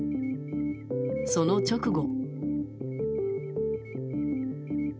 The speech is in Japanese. その直後。